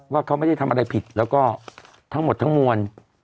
ว่าเขาไม่ได้ทำอะไรผิดแล้วก็ทั้งหมดทั้งมวล